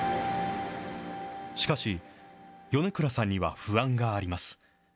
しかし、米倉さんには不安があります。